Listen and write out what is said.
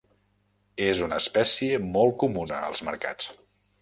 És una espècie molt comuna als mercats.